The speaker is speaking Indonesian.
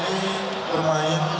di tim perlawanan itu